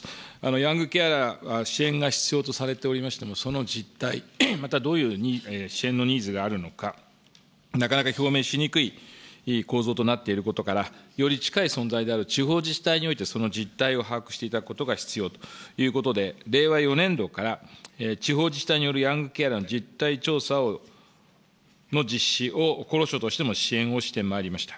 ヤングケアラー、支援が必要とされておりましても、その実態、またどういう支援のニーズがあるのか、なかなか表明しにくい構造となっていることから、より近い存在である地方自治体において、その実態を把握していただくことが必要ということで、令和４年度から地方自治体によるヤングケアラー実態調査の実施を、厚労省としても支援をしてまいりました。